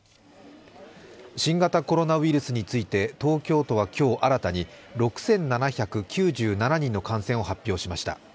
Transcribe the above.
新型コロナウイルスについて東京都は今日新たに６７９７人の感染を発表しました。